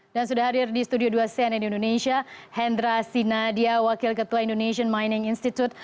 dan sudah hadir di studio dua cnn indonesia hendra sinadia wakil ketua indonesian mining institute